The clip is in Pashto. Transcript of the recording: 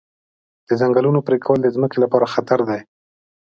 د ځنګلونو پرېکول د ځمکې لپاره خطر دی.